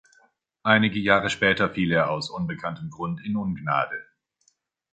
Einige Jahre später fiel er aus unbekanntem Grund in Ungnade.